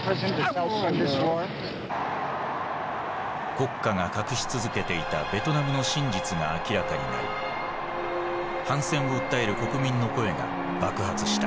国家が隠し続けていたベトナムの真実が明らかになり反戦を訴える国民の声が爆発した。